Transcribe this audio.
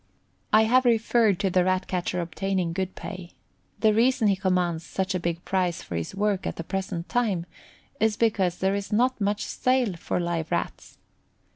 I have referred to the Rat catcher obtaining good pay. The reason he commands such a big price for his work at the present time is because there is not much sale for live Rats.